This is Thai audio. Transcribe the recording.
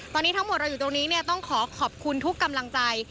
ตอนนี้ทั้งหมดเราอยู่ตรงนี้เนี่ยต้องขอขอบคุณทุกกำลังใจ